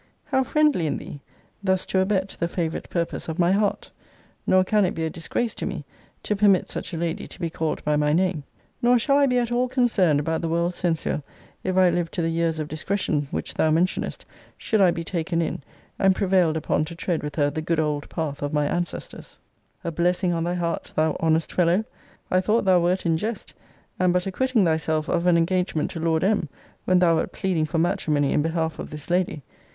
How friendly in thee, thus to abet the favourite purpose of my heart! nor can it be a disgrace to me, to permit such a lady to be called by my name! nor shall I be at all concerned about the world's censure, if I live to the years of discretion, which thou mentionest, should I be taken in, and prevailed upon to tread with her the good old path of my ancestors. A blessing on thy heart, thou honest fellow! I thought thou wert in jest, and but acquitting thyself of an engagement to Lord M. when thou wert pleading for matrimony in behalf of this lady!